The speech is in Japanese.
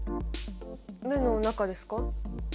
目の中ですか？